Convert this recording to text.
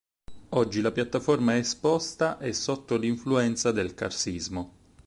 Oggi la piattaforma è esposta e sotto l'influenza del carsismo.